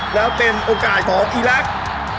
แล้วเป็นโอกาสของอีลักษณ์